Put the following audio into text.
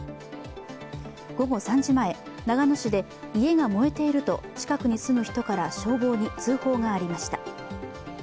午後３時前、長野市で家が燃えていると近くに住む人から消防に通報がありました。